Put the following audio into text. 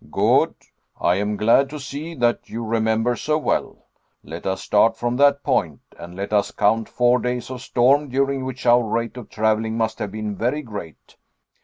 "Good. I am glad to see that you remember so well. Let us start from that point, and let us count four days of storm, during which our rate of traveling must have been very great.